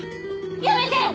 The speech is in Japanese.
やめて！